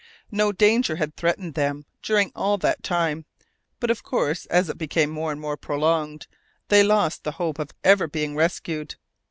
No danger had threatened them during all that time; but, of course, as it became more and more prolonged, they lost the hope of ever being rescued.